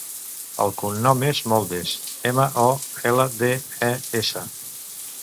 El cognom és Moldes: ema, o, ela, de, e, essa.